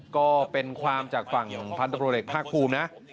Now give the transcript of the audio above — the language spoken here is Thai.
ก็เป็นความจากฝั่งพันธบรวจเอกภาคภูมินะ